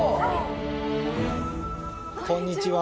こんにちは。